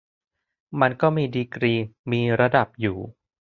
มันก็มีดีกรี มีระดับอยู่